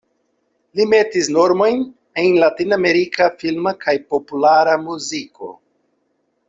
Li metis normojn en latinamerika filma kaj populara muziko.